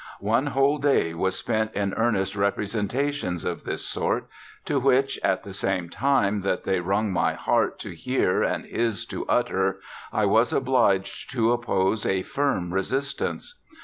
One whole day was spent in earnest representations of this sort, to which, at the same time that they wrung my heart to hear and his to utter, I was obliged to oppose a firm resistance.